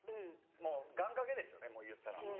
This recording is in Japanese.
もう願掛けですよねいったら。